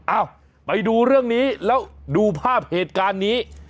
เอ้าไปดูเรื่องนี้แล้วดูภาพเหตุการณ์นี้